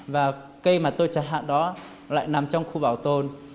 và cây mà tôi trả hạ đó lại nằm trong khu bảo tồn